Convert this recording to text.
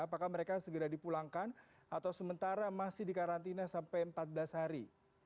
apakah mereka segera dipulangkan atau sementara masih dikarantina sampai empat belas hari